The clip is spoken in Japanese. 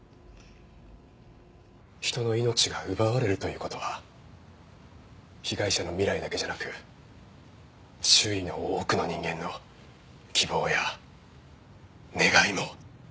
人の命が奪われるという事は被害者の未来だけじゃなく周囲の多くの人間の希望や願いも奪われてしまう。